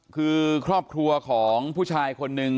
คือครอบครัวของผู้ชายคนนึง